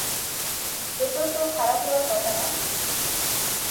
এতো তো খারাপ হবার কথা না।